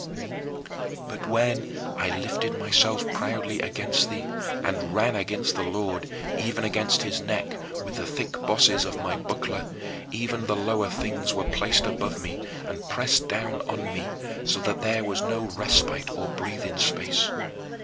But when I lifted myself proudly against thee, and "ran against the Lord, even against his neck, with the thick bosses of my buckler," even the lower things were placed above me and pressed down on me, so that there was no respite or breathing space.